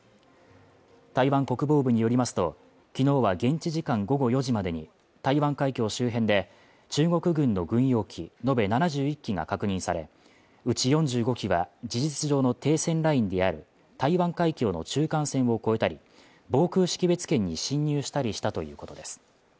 台湾国防部によりますと、昨日は現地時間午後４時までに台湾海峡周辺で中国軍の軍用機延べ７１機が確認され、うち４５機は事実上の停戦ラインである台湾海峡の中間線を越えたり防空識別圏に進入したりしたということです。